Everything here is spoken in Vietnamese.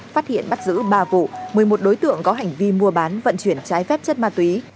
phát hiện bắt giữ ba vụ một mươi một đối tượng có hành vi mua bán vận chuyển trái phép chất ma túy